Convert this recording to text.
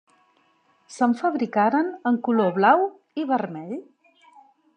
Se'n fabricaren en color blau i vermell.